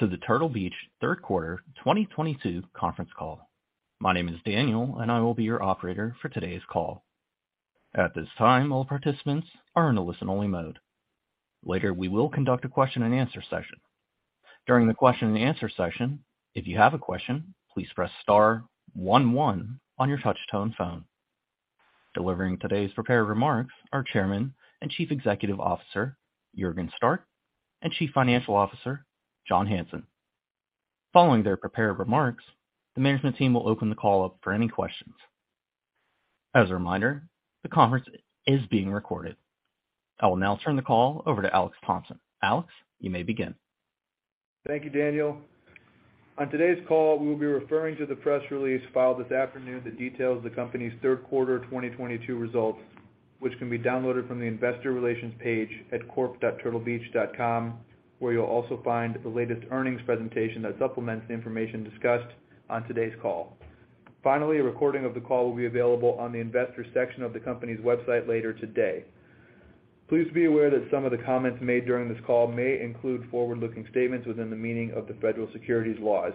Welcome to the Turtle Beach 3rd Quarter 2022 Conference Call. My name is Daniel, and I will be your operator for today's call. At this time, all participants are in a listen-only mode. Later, we will conduct a question-and-answer session. During the question-and-answer session, if you have a question, please press star one one on your touch-tone phone. Delivering today's prepared remarks are Chairman and Chief Executive Officer, Juergen Stark, and Chief Financial Officer, John Hanson. Following their prepared remarks, the management team will open the call up for any questions. As a reminder, the conference is being recorded. I will now turn the call over to Alex Thompson. Alex, you may begin. Thank you, Daniel. On today's call, we will be referring to the press release filed this afternoon that details the company's 3rd quarter 2022 results, which can be downloaded from the investor relations page at corp.turtlebeach.com, where you'll also find the latest earnings presentation that supplements the information discussed on today's call. Finally, a recording of the call will be available on the investors section of the company's website later today. Please be aware that some of the comments made during this call may include forward-looking statements within the meaning of the federal securities laws.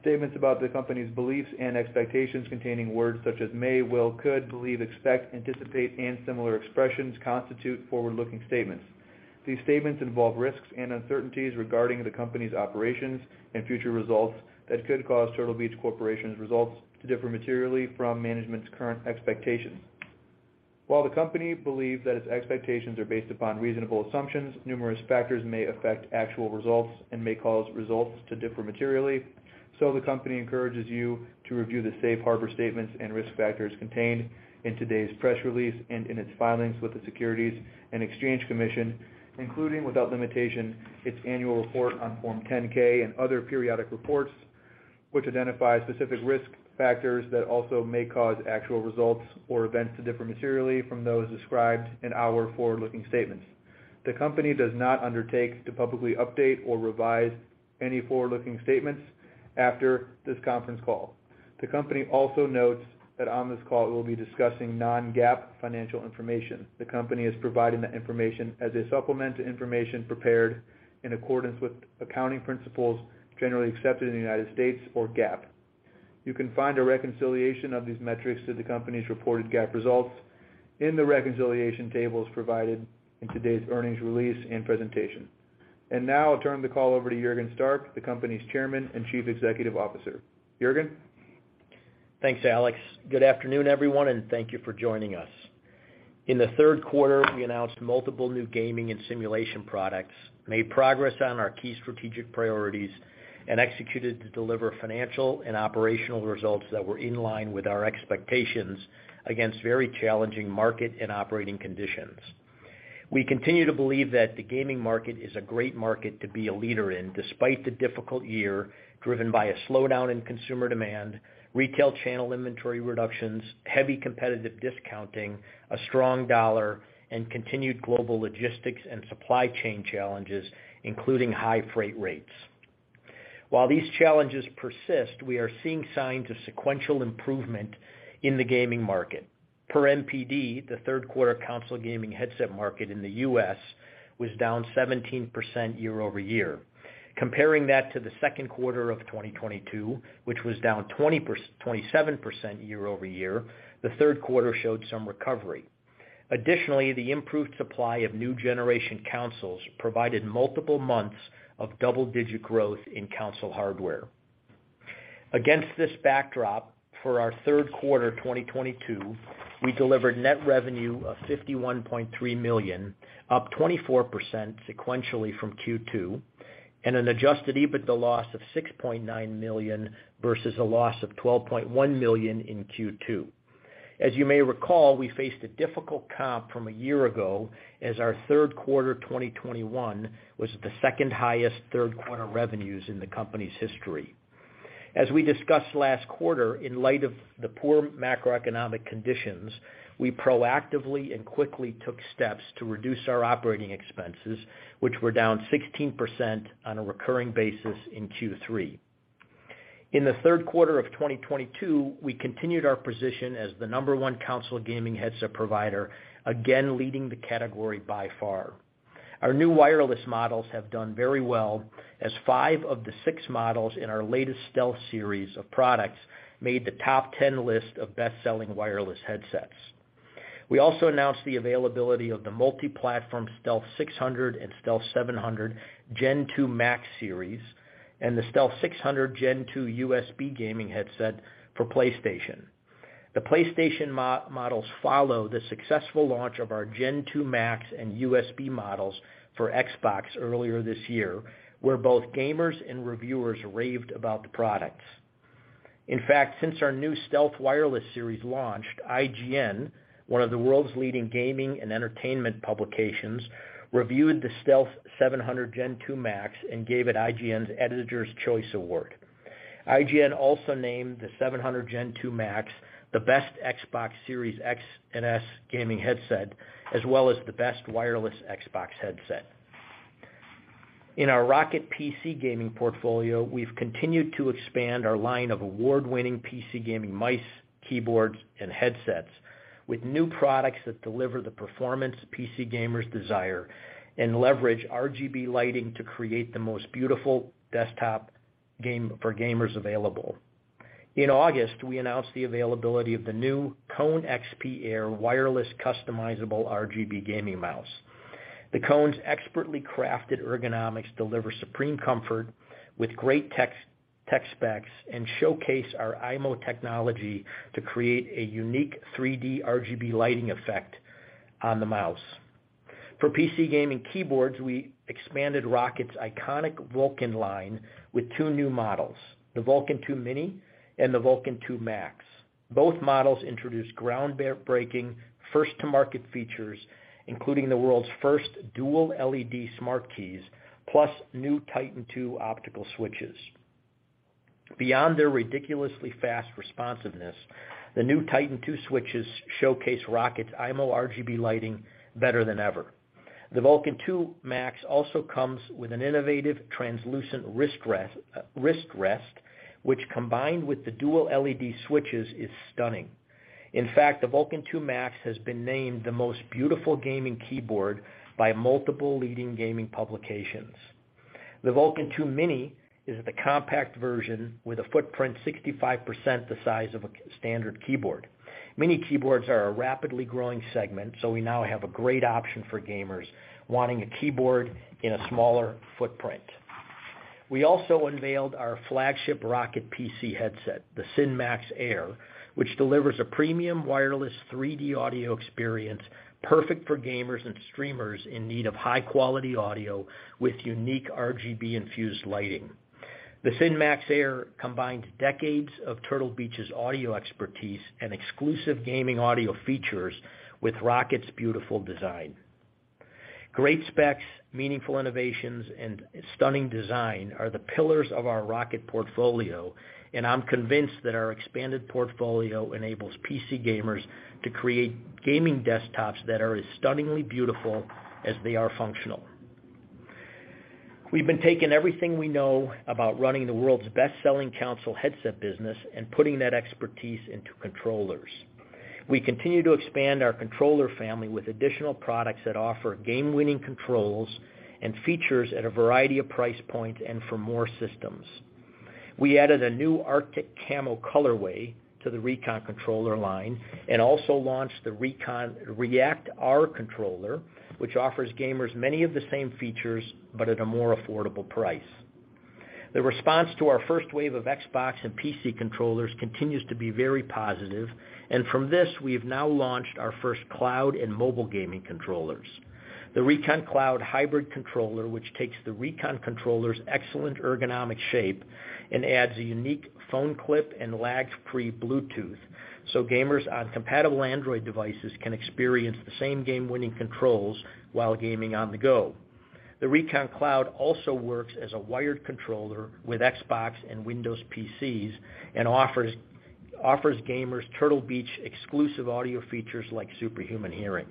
Statements about the company's beliefs and expectations containing words such as may, will, could, believe, expect, anticipate, and similar expressions constitute forward-looking statements. These statements involve risks and uncertainties regarding the company's operations and future results that could cause Turtle Beach Corporation's results to differ materially from management's current expectations. While the company believes that its expectations are based upon reasonable assumptions, numerous factors may affect actual results and may cause results to differ materially. The company encourages you to review the safe harbor statements and risk factors contained in today's press release and in its filings with the Securities and Exchange Commission, including, without limitation, its annual report on Form 10-K and other periodic reports, which identify specific risk factors that also may cause actual results or events to differ materially from those described in our forward-looking statements. The company does not undertake to publicly update or revise any forward-looking statements after this conference call. The company also notes that on this call, we'll be discussing non-GAAP financial information. The company is providing that information as a supplement to information prepared in accordance with accounting principles generally accepted in the United States, or GAAP. You can find a reconciliation of these metrics to the company's reported GAAP results in the reconciliation tables provided in today's earnings release and presentation. Now I'll turn the call over to Juergen Stark, the company's Chairman and Chief Executive Officer. Juergen? Thanks, Alex. Good afternoon, everyone, and thank you for joining us. In the 3rd quarter, we announced multiple new gaming and simulation products, made progress on our key strategic priorities, and executed to deliver financial and operational results that were in line with our expectations against very challenging market and operating conditions. We continue to believe that the gaming market is a great market to be a leader in, despite the difficult year driven by a slowdown in consumer demand, retail channel inventory reductions, heavy competitive discounting, a strong dollar, and continued global logistics and supply chain challenges, including high freight rates. While these challenges persist, we are seeing signs of sequential improvement in the gaming market. Per NPD, the 3rd quarter console gaming headset market in the U.S. was down 17% year-over-year. Comparing that to the 2nd quarter of 2022, which was down 27% year-over-year, the 3rd quarter showed some recovery. Additionally, the improved supply of new generation consoles provided multiple months of double-digit growth in console hardware. Against this backdrop, for our 3rd quarter 2022, we delivered net revenue of $51.3 million, up 24% sequentially from Q2, and an adjusted EBITDA loss of $6.9 million versus a loss of $12.1 million in Q2. As you may recall, we faced a difficult comp from a year ago as our 3rd quarter 2021 was the 2nd highest 3rd quarter revenues in the company's history. As we discussed last quarter, in light of the poor macroeconomic conditions, we proactively and quickly took steps to reduce our operating expenses, which were down 16% on a recurring basis in Q3. In the 3rd quarter of 2022, we continued our position as the number one console gaming headset provider, again leading the category by far. Our new wireless models have done very well as five of the six models in our latest Stealth series of products made the top 10 list of best-selling wireless headsets. We also announced the availability of the multi-platform Stealth 600 and Stealth 700 Gen 2 MAX series and the Stealth 600 Gen 2 USB gaming headset for PlayStation. The PlayStation models follow the successful launch of our Gen 2 MAX and USB models for Xbox earlier this year, where both gamers and reviewers raved about the products. In fact, since our new Stealth wireless series launched, IGN, one of the world's leading gaming and entertainment publications, reviewed the Stealth 700 Gen 2 MAX and gave it IGN's Editor's Choice Award. IGN also named the 700 Gen 2 MAX the best Xbox Series X and S gaming headset, as well as the best wireless Xbox headset. In our ROCCAT PC gaming portfolio, we've continued to expand our line of award-winning PC gaming mice, keyboards, and headsets with new products that deliver the performance PC gamers desire and leverage RGB lighting to create the most beautiful desktop gaming for gamers available. In August, we announced the availability of the new Kone XP Air wireless customizable RGB gaming mouse. The Kone's expertly crafted ergonomics deliver supreme comfort with great tech specs, and showcase our AIMO technology to create a unique 3D RGB lighting effect on the mouse. For PC gaming keyboards, we expanded ROCCAT's iconic Vulcan line with two new models, the Vulcan II Mini and the Vulcan II Max. Both models introduce groundbreaking 1st-to-market features, including the world's 1st dual LED smart keys, plus new Titan II optical switches. Beyond their ridiculously fast responsiveness, the new Titan II switches showcase ROCCAT's AIMO RGB lighting better than ever. The Vulcan II Max also comes with an innovative translucent wrist rest, which, combined with the dual LED switches, is stunning. In fact, the Vulcan II Max has been named the most beautiful gaming keyboard by multiple leading gaming publications. The Vulcan II Mini is the compact version with a footprint 65% the size of a full standard keyboard. Mini keyboards are a rapidly growing segment, so we now have a great option for gamers wanting a keyboard in a smaller footprint. We also unveiled our flagship ROCCAT PC headset, the Syn Max Air, which delivers a premium wireless 3D audio experience perfect for gamers and streamers in need of high-quality audio with unique RGB-infused lighting. The Syn Max Air combines decades of Turtle Beach's audio expertise and exclusive gaming audio features with ROCCAT's beautiful design. Great specs, meaningful innovations, and stunning design are the pillars of our ROCCAT portfolio, and I'm convinced that our expanded portfolio enables PC gamers to create gaming desktops that are as stunningly beautiful as they are functional. We've been taking everything we know about running the world's best-selling console headset business and putting that expertise into controllers. We continue to expand our controller family with additional products that offer game-winning controls and features at a variety of price points and for more systems. We added a new Arctic Camo colorway to the Recon controller line and also launched the Recon REACT-R controller, which offers gamers many of the same features, but at a more affordable price. The response to our 1st wave of Xbox and PC controllers continues to be very positive, and from this, we have now launched our 1st cloud and mobile gaming controllers. The Recon Cloud hybrid controller, which takes the Recon controller's excellent ergonomic shape and adds a unique phone clip and lag-free Bluetooth, so gamers on compatible Android devices can experience the same game-winning controls while gaming on the go. The Recon Cloud also works as a wired controller with Xbox and Windows PCs and offers gamers Turtle Beach exclusive audio features like Superhuman Hearing.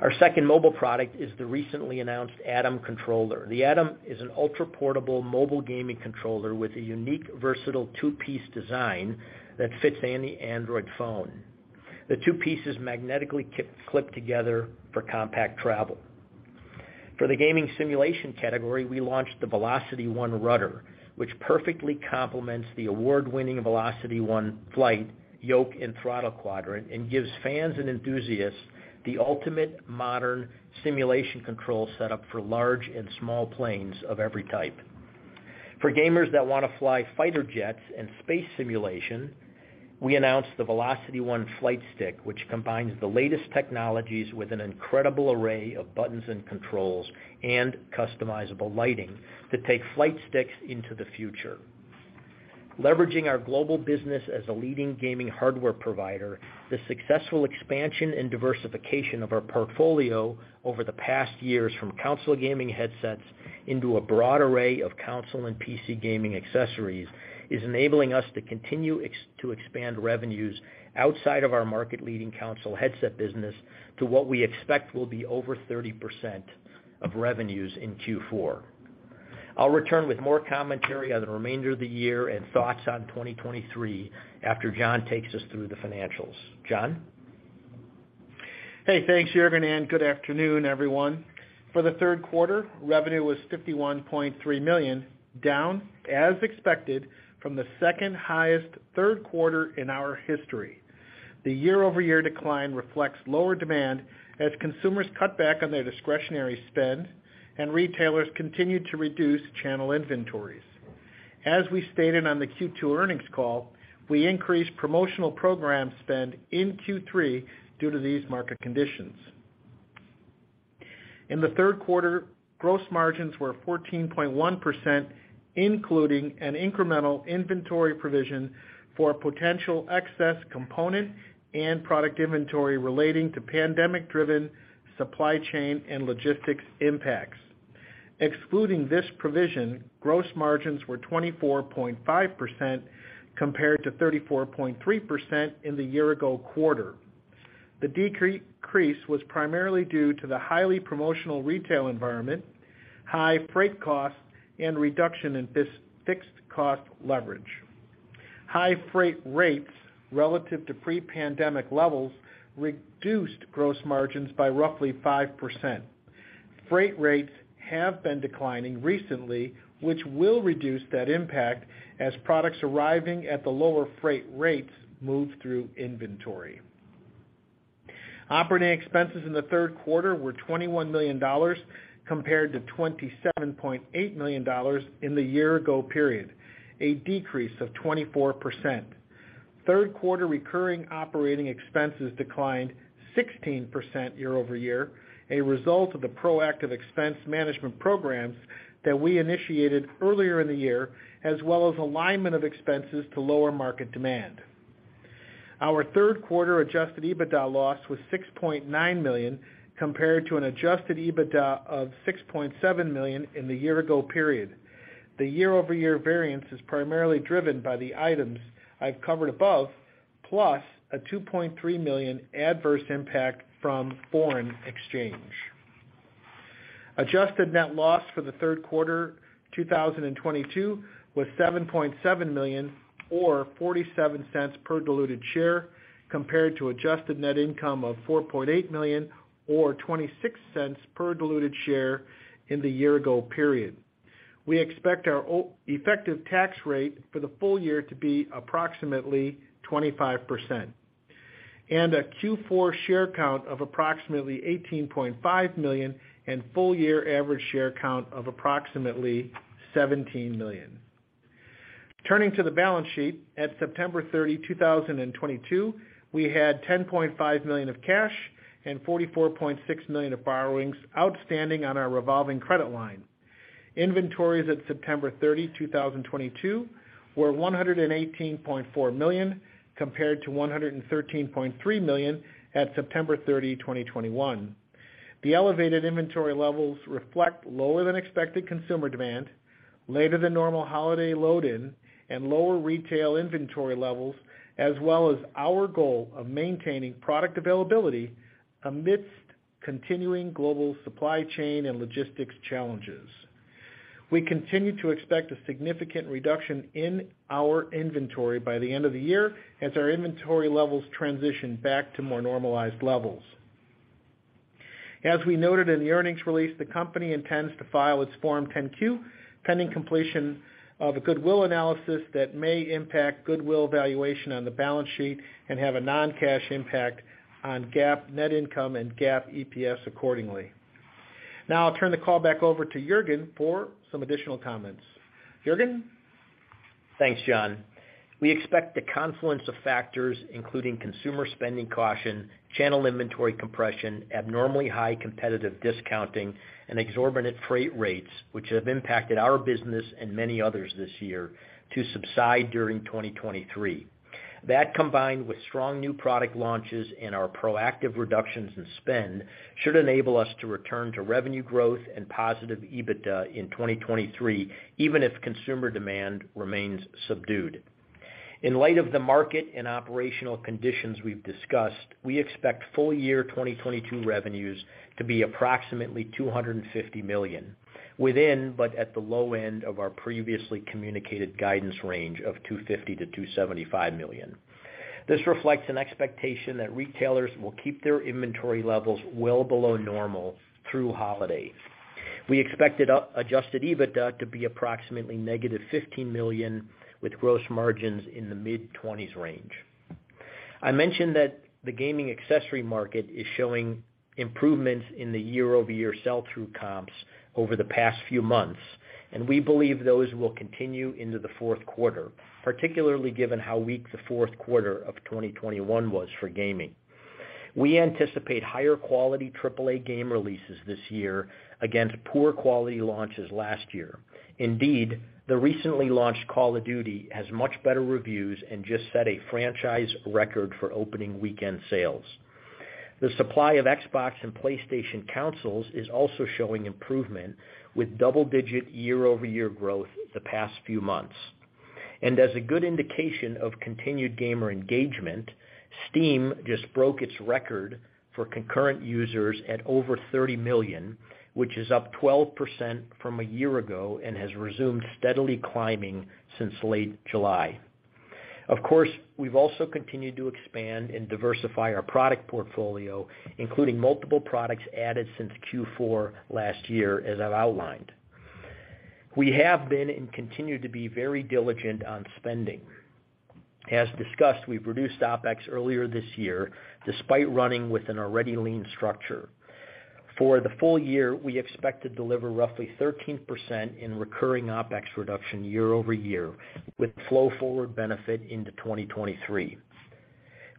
Our 2nd mobile product is the recently announced Atom controller. The Atom is an ultraportable mobile gaming controller with a unique, versatile two-piece design that fits any Android phone. The two pieces magnetically clip together for compact travel. For the gaming simulation category, we launched the VelocityOne Rudder, which perfectly complements the award-winning VelocityOne Flight Yoke and Throttle Quadrant and gives fans and enthusiasts the ultimate modern simulation control setup for large and small planes of every type. For gamers that wanna fly fighter jets and space simulation, we announced the VelocityOne Flightstick, which combines the latest technologies with an incredible array of buttons and controls and customizable lighting to take flight sticks into the future. Leveraging our global business as a leading gaming hardware provider, the successful expansion and diversification of our portfolio over the past years from console gaming headsets into a broad array of console and PC gaming accessories is enabling us to continue to expand revenues outside of our market-leading console headset business to what we expect will be over 30% of revenues in Q4. I'll return with more commentary on the remainder of the year and thoughts on 2023 after John takes us through the financials. John? Hey, thanks, Juergen, and good afternoon, everyone. For the 3rd quarter, revenue was $51.3 million, down as expected from the 2nd highest 3rd quarter in our history. The year-over-year decline reflects lower demand as consumers cut back on their discretionary spend and retailers continued to reduce channel inventories. As we stated on the Q2 earnings call, we increased promotional program spend in Q3 due to these market conditions. In the 3rd quarter, gross margins were 14.1%, including an incremental inventory provision for potential excess component and product inventory relating to pandemic-driven supply chain and logistics impacts. Excluding this provision, gross margins were 24.5% compared to 34.3% in the year-ago quarter. The decrease was primarily due to the highly promotional retail environment, high freight costs, and reduction in fixed cost leverage. High freight rates relative to pre-pandemic levels reduced gross margins by roughly 5%. Freight rates have been declining recently, which will reduce that impact as products arriving at the lower freight rates move through inventory. Operating expenses in the 3rd quarter were $21 million compared to $27.8 million in the year ago period, a decrease of 24%. Third quarter recurring operating expenses declined 16% year-over-year, a result of the proactive expense management programs that we initiated earlier in the year, as well as alignment of expenses to lower market demand. Our 3rd quarter adjusted EBITDA loss was $6.9 million compared to an adjusted EBITDA of $6.7 million in the year ago period. The year-over-year variance is primarily driven by the items I've covered above, plus a $2.3 million adverse impact from foreign exchange. Adjusted net loss for the 3rd quarter 2022 was $7.7 million or $0.47 per diluted share compared to adjusted net income of $4.8 million or $0.26 per diluted share in the year ago period. We expect our effective tax rate for the full year to be approximately 25% and a Q4 share count of approximately 18.5 million and full year average share count of approximately 17 million. Turning to the balance sheet, at September 30, 2022, we had $10.5 million of cash and $44.6 million of borrowings outstanding on our revolving credit line. Inventories at September 30, 2022 were $118.4 million compared to $113.3 million at September 30, 2021. The elevated inventory levels reflect lower than expected consumer demand, later than normal holiday load in and lower retail inventory levels, as well as our goal of maintaining product availability amidst continuing global supply chain and logistics challenges. We continue to expect a significant reduction in our inventory by the end of the year as our inventory levels transition back to more normalized levels. As we noted in the earnings release, the company intends to file its Form 10-Q pending completion of a goodwill analysis that may impact goodwill valuation on the balance sheet and have a non-cash impact on GAAP net income and GAAP EPS accordingly. Now I'll turn the call back over to Juergen for some additional comments. Juergen? Thanks, John. We expect the confluence of factors, including consumer spending caution, channel inventory compression, abnormally high competitive discounting and exorbitant freight rates, which have impacted our business and many others this year to subside during 2023. That, combined with strong new product launches and our proactive reductions in spend, should enable us to return to revenue growth and positive EBITDA in 2023, even if consumer demand remains subdued. In light of the market and operational conditions we've discussed, we expect full year 2022 revenues to be approximately $250 million within, but at the low end of our previously communicated guidance range of $250 million-$275 million. This reflects an expectation that retailers will keep their inventory levels well below normal through holiday. We expect adjusted EBITDA to be approximately -$15 million, with gross margins in the mid-20s range. I mentioned that the gaming accessory market is showing improvements in the year-over-year sell-through comps over the past few months, and we believe those will continue into the 4th quarter, particularly given how weak the 4th quarter of 2021 was for gaming. We anticipate higher quality triple A game releases this year against poor quality launches last year. Indeed, the recently launched Call of Duty has much better reviews and just set a franchise record for opening weekend sales. The supply of Xbox and PlayStation consoles is also showing improvement, with double-digit year-over-year growth the past few months. As a good indication of continued gamer engagement, Steam just broke its record for concurrent users at over 30 million, which is up 12% from a year ago and has resumed steadily climbing since late July. Of course, we've also continued to expand and diversify our product portfolio, including multiple products added since Q4 last year as I've outlined. We have been and continue to be very diligent on spending. As discussed, we've reduced OpEx earlier this year despite running with an already lean structure. For the full year, we expect to deliver roughly 13% in recurring OpEx reduction year-over-year with flow forward benefit into 2023.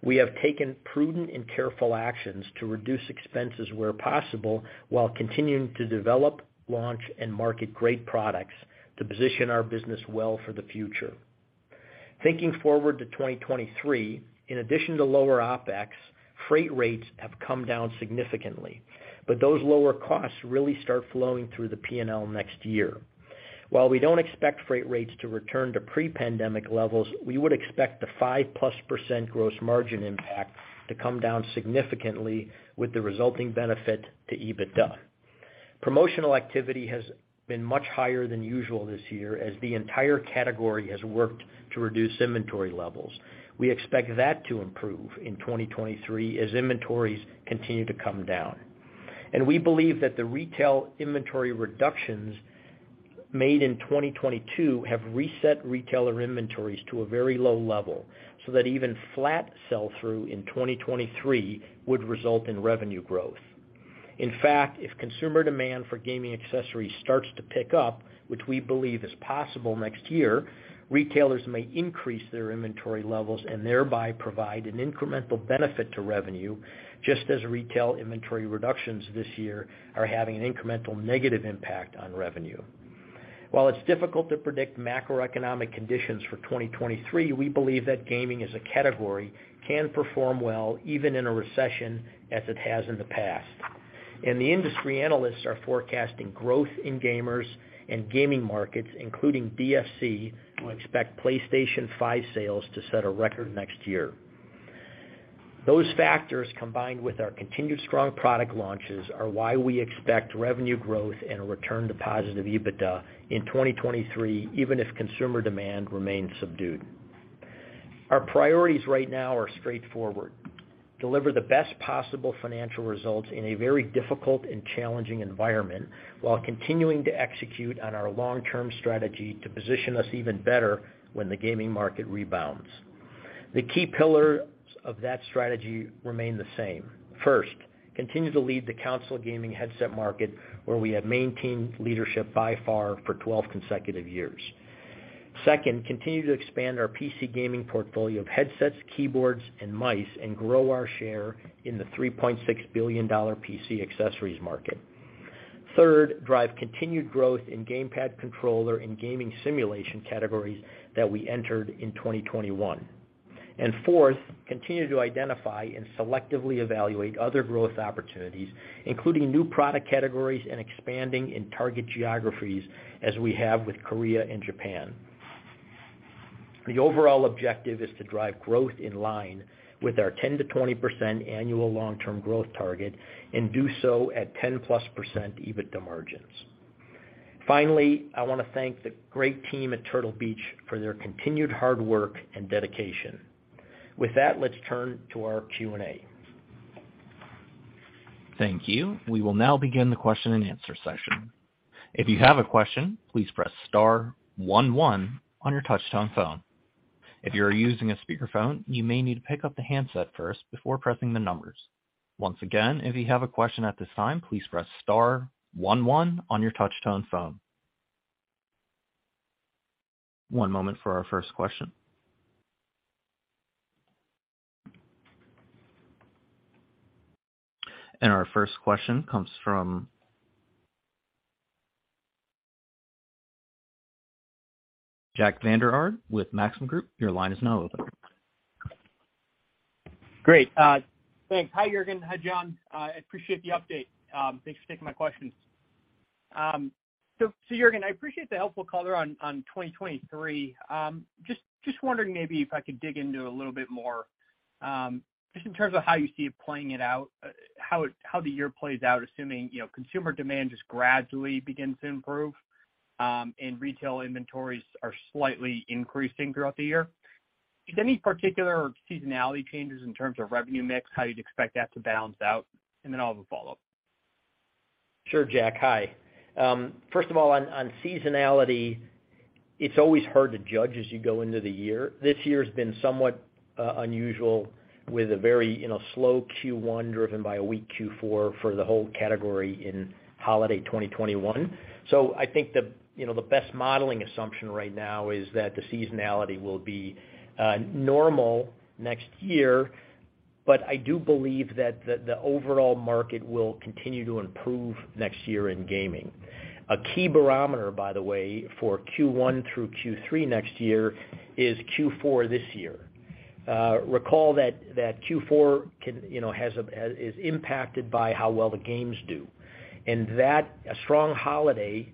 We have taken prudent and careful actions to reduce expenses where possible while continuing to develop, launch, and market great products to position our business well for the future. Thinking forward to 2023, in addition to lower OpEx, freight rates have come down significantly, but those lower costs really start flowing through the P&L next year. While we don't expect freight rates to return to pre-pandemic levels, we would expect the 5%+ gross margin impact to come down significantly with the resulting benefit to EBITDA. Promotional activity has been much higher than usual this year as the entire category has worked to reduce inventory levels. We expect that to improve in 2023 as inventories continue to come down. We believe that the retail inventory reductions made in 2022 have reset retailer inventories to a very low level so that even flat sell-through in 2023 would result in revenue growth. In fact, if consumer demand for gaming accessories starts to pick up, which we believe is possible next year, retailers may increase their inventory levels and thereby provide an incremental benefit to revenue, just as retail inventory reductions this year are having an incremental negative impact on revenue. While it's difficult to predict macroeconomic conditions for 2023, we believe that gaming as a category can perform well even in a recession, as it has in the past. The industry analysts are forecasting growth in gamers and gaming markets, including DSC, who expect PlayStation 5 sales to set a record next year. Those factors, combined with our continued strong product launches, are why we expect revenue growth and a return to positive EBITDA in 2023, even if consumer demand remains subdued. Our priorities right now are straightforward. Deliver the best possible financial results in a very difficult and challenging environment while continuing to execute on our long-term strategy to position us even better when the gaming market rebounds. The key pillars of that strategy remain the same. First, continue to lead the console gaming headset market where we have maintained leadership by far for 12 consecutive years. Second, continue to expand our PC gaming portfolio of headsets, keyboards and mice, and grow our share in the $3.6 billion PC accessories market. Third, drive continued growth in gamepad controller and gaming simulation categories that we entered in 2021. Fourth, continue to identify and selectively evaluate other growth opportunities, including new product categories and expanding in target geographies as we have with Korea and Japan. The overall objective is to drive growth in line with our 10%-20% annual long-term growth target and do so at 10%+ EBITDA margins. Finally, I want to thank the great team at Turtle Beach for their continued hard work and dedication. With that, let's turn to our Q&A. Thank you. We will now begin the question-and-answer session. If you have a question, please press star one one on your touchtone phone. If you are using a speakerphone, you may need to pick up the handset 1st before pressing the numbers. Once again, if you have a question at this time, please press star one one on your touchtone phone. One moment for our 1st question. Our 1st question comes from Jack Vander Aarde with Maxim Group. Your line is now open. Great. Thanks. Hi, Juergen. Hi, John. I appreciate the update. Thanks for taking my questions. So, Juergen, I appreciate the helpful color on 2023. Just wondering maybe if I could dig into a little bit more, just in terms of how you see it playing out, how the year plays out, assuming, you know, consumer demand just gradually begins to improve, and retail inventories are slightly increasing throughout the year. Is there any particular seasonality changes in terms of revenue mix, how you'd expect that to balance out? I'll have a follow-up. Sure, Jack. Hi. First of all, on seasonality, it's always hard to judge as you go into the year. This year has been somewhat unusual with a very, you know, slow Q1 driven by a weak Q4 for the whole category in holiday 2021. So I think the, you know, the best modeling assumption right now is that the seasonality will be normal next year, but I do believe that the overall market will continue to improve next year in gaming. A key barometer, by the way, for Q1 through Q3 next year is Q4 this year. Recall that Q4 can, you know, is impacted by how well the games do. That strong holiday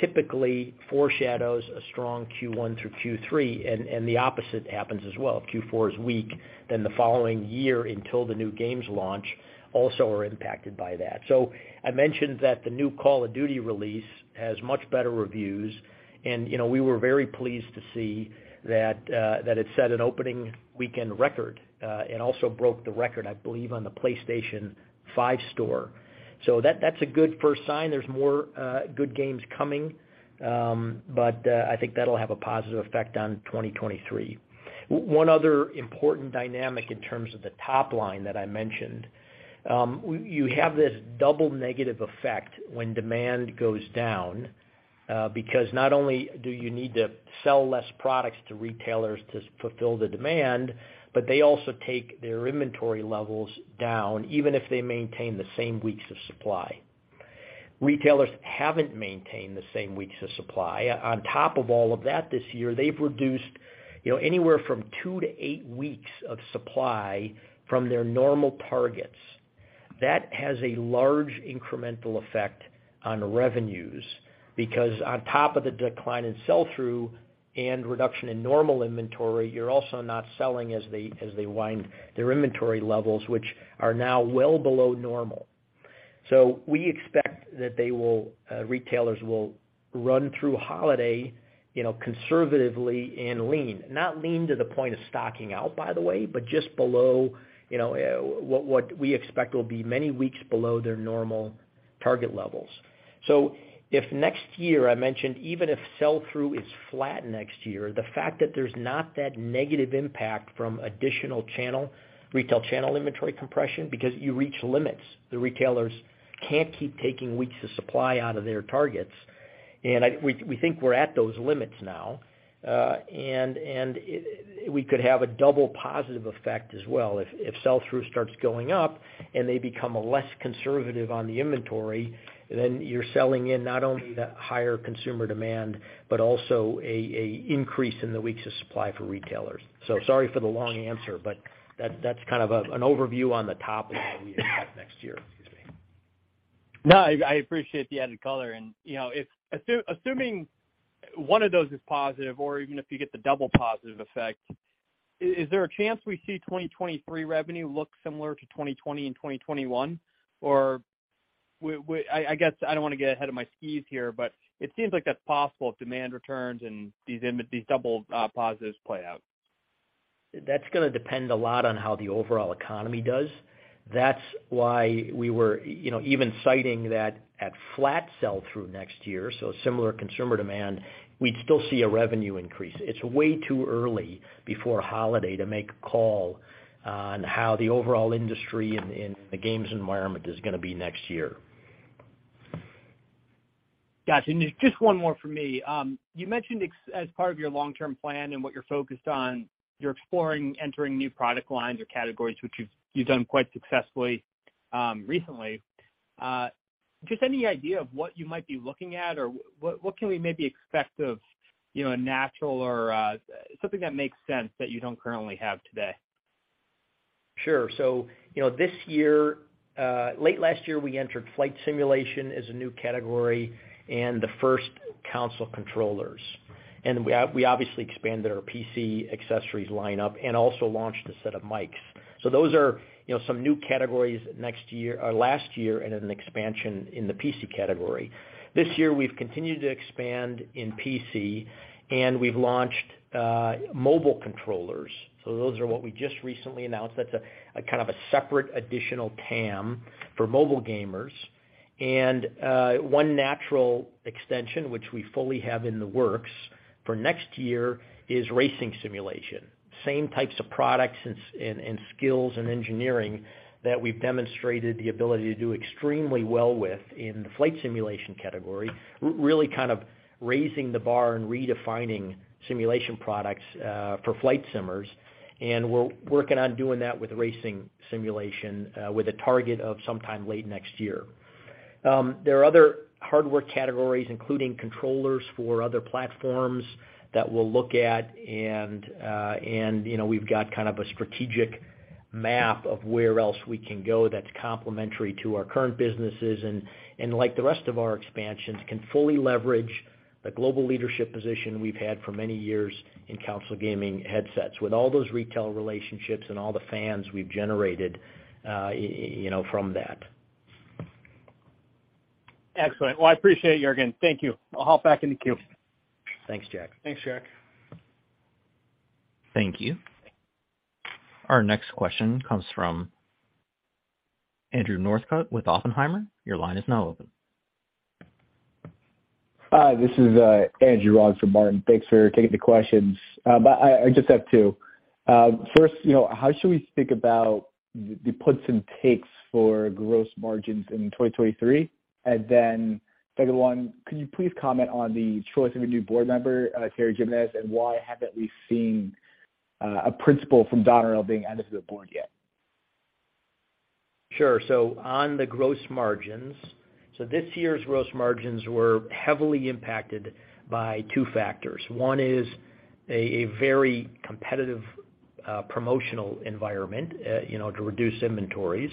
typically foreshadows a strong Q1 through Q3, and the opposite happens as well. If Q4 is weak, then the following year until the new games launch also are impacted by that. I mentioned that the new Call of Duty release has much better reviews and, you know, we were very pleased to see that it set an opening weekend record, and also broke the record, I believe, on the PlayStation 5 store. That, that's a good 1st sign. There's more, good games coming, but, I think that'll have a positive effect on 2023. One other important dynamic in terms of the top line that I mentioned, you have this double negative effect when demand goes down, because not only do you need to sell less products to retailers to fulfill the demand, but they also take their inventory levels down, even if they maintain the same weeks of supply. Retailers haven't maintained the same weeks of supply. On top of all of that this year, they've reduced, you know, anywhere from two to eight weeks of supply from their normal targets. That has a large incremental effect on revenues because on top of the decline in sell-through and reduction in normal inventory, you're also not selling as they wind their inventory levels, which are now well below normal. We expect retailers will run through holiday, you know, conservatively and lean. Not lean to the point of stocking out, by the way, but just below, you know, what we expect will be many weeks below their normal target levels. If next year I mentioned even if sell-through is flat next year, the fact that there's not that negative impact from additional channel, retail channel inventory compression because you reach limits. The retailers can't keep taking weeks of supply out of their targets. We think we're at those limits now. We could have a double positive effect as well. If sell-through starts going up and they become less conservative on the inventory, then you're selling in not only the higher consumer demand, but also an increase in the weeks of supply for retailers. Sorry for the long answer, but that's kind of an overview on the topic that we expect next year. Excuse me. No, I appreciate the added color. You know, if assuming one of those is positive or even if you get the double positive effect, is there a chance we see 2023 revenue look similar to 2020 and 2021? I guess I don't wanna get ahead of my skis here, but it seems like that's possible if demand returns and these double positives play out. That's gonna depend a lot on how the overall economy does. That's why we were, you know, even citing that at flat sell-through next year, so similar consumer demand, we'd still see a revenue increase. It's way too early before holiday to make a call on how the overall industry and the games environment is gonna be next year. Gotcha. Just one more from me. You mentioned as part of your long-term plan and what you're focused on, you're exploring entering new product lines or categories, which you've done quite successfully recently. Just any idea of what you might be looking at or what can we maybe expect of, you know, a natural or something that makes sense that you don't currently have today? Sure. You know, this year, late last year, we entered flight simulation as a new category and the 1st console controllers. We obviously expanded our PC accessories lineup and also launched a set of mics. Those are, you know, some new categories next year, or last year in an expansion in the PC category. This year, we've continued to expand in PC, and we've launched mobile controllers. Those are what we just recently announced. That's a kind of separate additional TAM for mobile gamers. One natural extension, which we fully have in the works for next year, is racing simulation. Same types of products and skills and engineering that we've demonstrated the ability to do extremely well with in the flight simulation category, really kind of raising the bar and redefining simulation products, for flight simmers. We're working on doing that with racing simulation, with a target of sometime late next year. There are other hardware categories, including controllers for other platforms that we'll look at and, you know, we've got kind of a strategic map of where else we can go that's complementary to our current businesses, and like the rest of our expansions, can fully leverage the global leadership position we've had for many years in console gaming headsets with all those retail relationships and all the fans we've generated, you know, from that. Excellent. Well, I appreciate it, Juergen. Thank you. I'll hop back in the queue. Thanks, Jack. Thank you. Our next question comes from Andrew Northcutt with Oppenheimer & Co. Inc. Your line is now open. Hi, this is Andrew nods from Barton. Thanks for taking the questions. I just have two. First, you know, how should we think about the puts and takes for gross margins in 2023? Second one, could you please comment on the choice of a new board member, Terry Jimenez, and why haven't we seen a principal from Donerail being added to the board yet? Sure. On the gross margins, this year's gross margins were heavily impacted by two factors. One is a very competitive promotional environment, you know, to reduce inventories.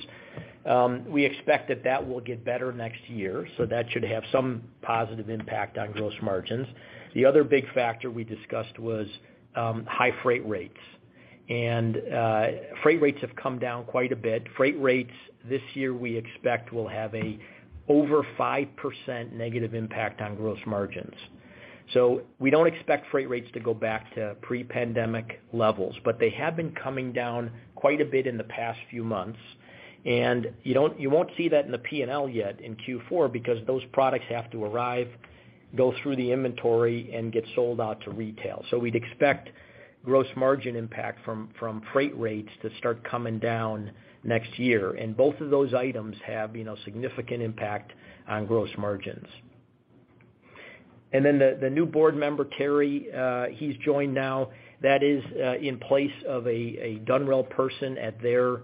We expect that will get better next year, so that should have some positive impact on gross margins. The other big factor we discussed was high freight rates. Freight rates have come down quite a bit. Freight rates this year, we expect will have over 5% negative impact on gross margins. We don't expect freight rates to go back to pre-pandemic levels, but they have been coming down quite a bit in the past few months. You won't see that in the P&L yet in Q4 because those products have to arrive, go through the inventory, and get sold out to retail. We'd expect gross margin impact from freight rates to start coming down next year. Both of those items have, you know, significant impact on gross margins. Then the new board member, Terry, he's joined now. That is in place of a Donerail person at their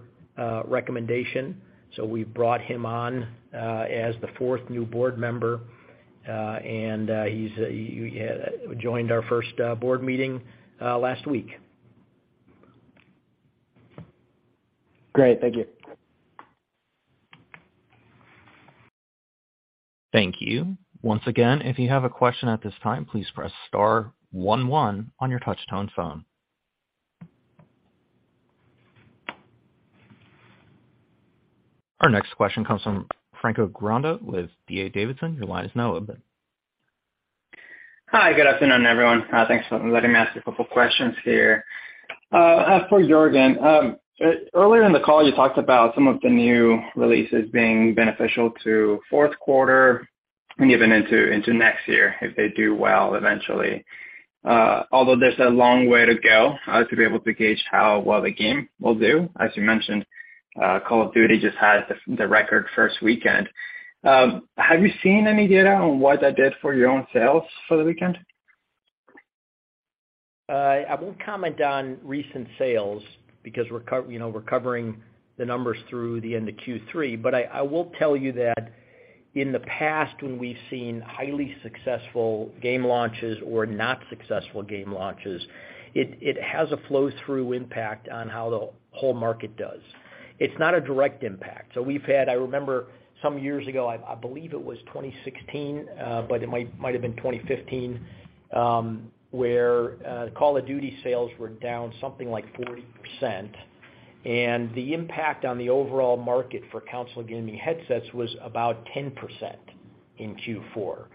recommendation. We brought him on as the 4th new board member, and he joined our 1st board meeting last week. Great. Thank you. Thank you. Once again, if you have a question at this time, please press star one one on your touch tone phone. Our next question comes from Franco Granda with D.A. Davidson. Your line is now open. Hi, good afternoon, everyone. Thanks for letting me ask a couple questions here. For Juergen. Earlier in the call, you talked about some of the new releases being beneficial to 4th quarter and even into next year if they do well eventually. Although there's a long way to go to be able to gauge how well the game will do, as you mentioned, Call of Duty just had the record 1st weekend. Have you seen any data on what that did for your own sales for the weekend? I won't comment on recent sales because you know, we're covering the numbers through the end of Q3. I will tell you that in the past, when we've seen highly successful game launches or not successful game launches, it has a flow-through impact on how the whole market does. It's not a direct impact. We've had, I remember some years ago, I believe it was 2016, but it might have been 2015, where Call of Duty sales were down something like 40%, and the impact on the overall market for console gaming headsets was about 10% in Q4.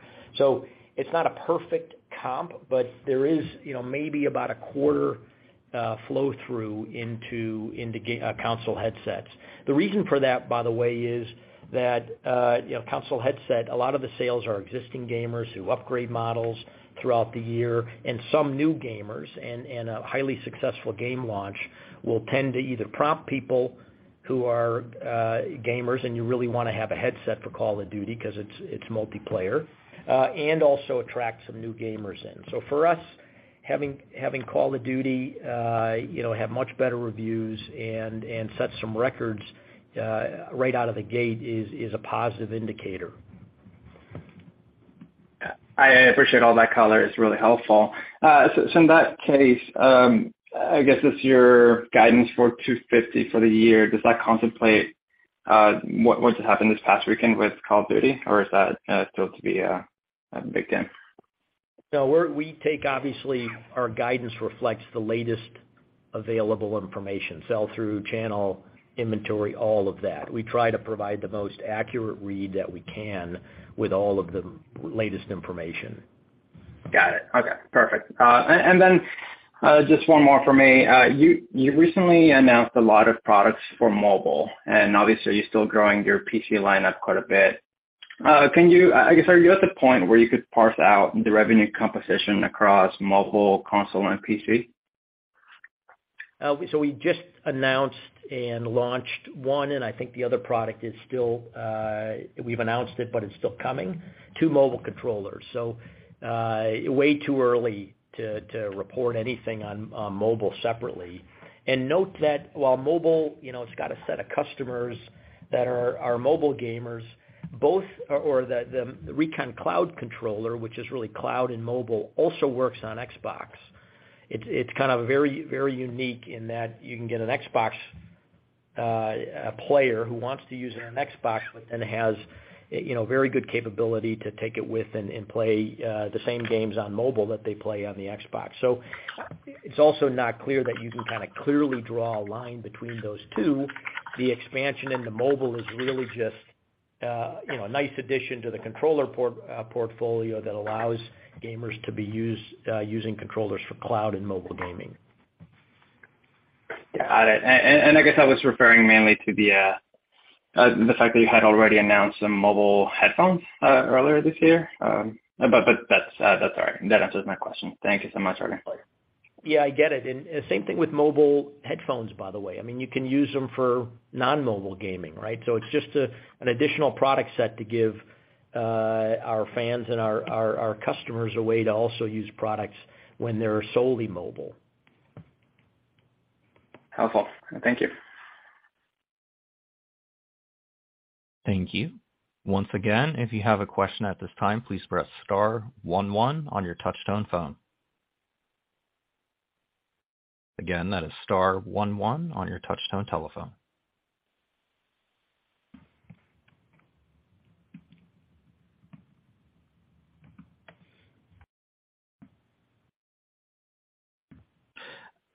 It's not a perfect comp, but there is, you know, maybe about a quarter flow through into console headsets. The reason for that, by the way, is that, you know, console headset, a lot of the sales are existing gamers who upgrade models throughout the year and some new gamers and a highly successful game launch will tend to either prompt people who are gamers, and you really wanna have a headset for Call of Duty 'cause it's multiplayer, and also attract some new gamers in. So for us, having Call of Duty you know have much better reviews and set some records right out of the gate is a positive indicator. I appreciate all that color. It's really helpful. In that case, I guess, does your guidance for $250 for the year, does that contemplate what just happened this past weekend with Call of Duty, or is that still to be a big gain? No, we take, obviously, our guidance reflects the latest available information, sell-through channel inventory, all of that. We try to provide the most accurate read that we can with all of the latest information. Got it. Okay, perfect. Just one more for me. You recently announced a lot of products for mobile, and obviously you're still growing your PC lineup quite a bit. I guess, are you at the point where you could parse out the revenue composition across mobile, console and PC? We just announced and launched one, and I think the other product is still, we've announced it, but it's still coming, two mobile controllers. Way too early to report anything on mobile separately. Note that while mobile, you know, it's got a set of customers that are our mobile gamers, both or the Recon Cloud controller, which is really cloud and mobile, also works on Xbox. It's kind of very unique in that you can get an Xbox player who wants to use it on an Xbox and has, you know, very good capability to take it with and play the same games on mobile that they play on the Xbox. It's also not clear that you can kinda clearly draw a line between those two. The expansion in the mobile is really just, you know, a nice addition to the controller portfolio that allows gamers to use controllers for cloud and mobile gaming. Got it. I guess I was referring mainly to the fact that you had already announced some mobile headphones earlier this year. That's all right. That answers my question. Thank you so much, Juergen. Yeah, I get it. Same thing with mobile headphones, by the way. I mean, you can use them for non-mobile gaming, right? It's just an additional product set to give our fans and our customers a way to also use products when they're solely mobile. Helpful. Thank you. Thank you. Once again, if you have a question at this time, please press star one one on your touch tone phone. Again, that is star one one on your touch tone telephone.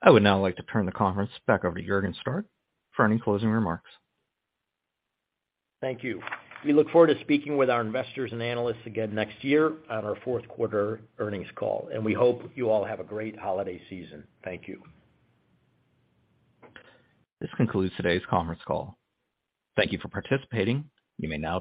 I would now like to turn the conference back over to Juergen Stark for any closing remarks. Thank you. We look forward to speaking with our investors and analysts again next year on our 4th quarter earnings call, and we hope you all have a great holiday season. Thank you. This concludes today's conference call. Thank you for participating. You may now disconnect.